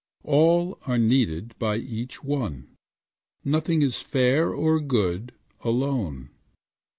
All are needed by each one; Nothing is fair or good alone.